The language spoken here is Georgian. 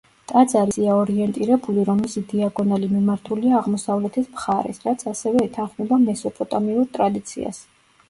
ტაძარი ისეა ორიენტირებული, რომ მისი დიაგონალი მიმართულია აღმოსავლეთის მხარეს, რაც ასევე ეთანხმება მესოპოტამიურ ტრადიციას.